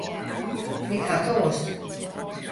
Ik ha toarst.